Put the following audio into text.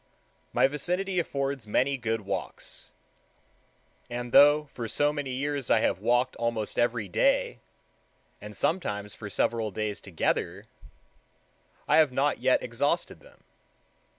My vicinity affords many good walks; and though for so many years I have walked almost every day, and sometimes for several days together, I have not yet exhausted them.